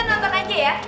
udah nonton aja ya